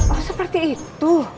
oh seperti itu